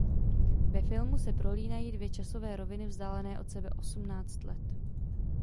Ve filmu se prolínají dvě časové roviny vzdálené od sebe osmnáct let.